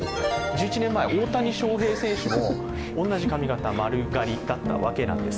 １１年前、大谷翔平選手も同じ髪形丸刈りだったわけです。